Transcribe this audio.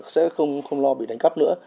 sẽ không lo bị đánh cắt nữa